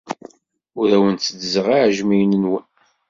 Ur awen-tteddzeɣ iɛejmiyen-nwen.